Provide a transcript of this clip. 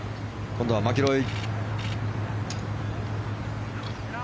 今度はマキロイ。